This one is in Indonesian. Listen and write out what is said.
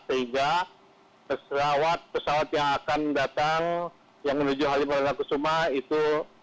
sehingga pesawat yang akan datang yang menuju halim ke sumah itu